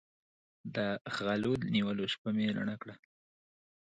د غلو د نیولو شپه مې رڼه کړه.